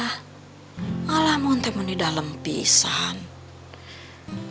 bisa jalan kemana mana